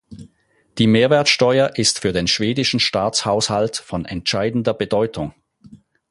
Die Mehrwertsteuer ist für den schwedischen Staatshaushalt von entscheidender Bedeutung.